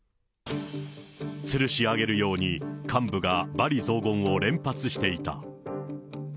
つるし上げるように幹部がばり雑言を連発していた。